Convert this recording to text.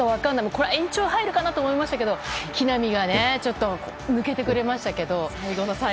これは延長入るかなと思いましたけど木浪が、ちょっとね抜けてくれましたけども。